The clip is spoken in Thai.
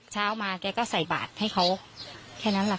เช้ามาแกก็ใส่บาทให้เขาแค่นั้นแหละ